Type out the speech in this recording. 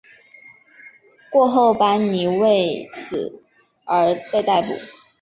过后班尼为此而被逮捕。